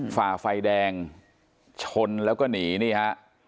ฝ่าไฟแดงชนแล้วก็หนีนี่ฮะ